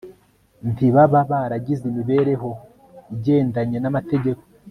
Ntibaba baragize imibereho igendanye namategeko